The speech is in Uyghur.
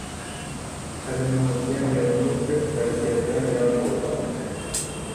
قەلىمىڭىزگە يەنىمۇ كۆپ بەرىكەتلەر يار بولغاي.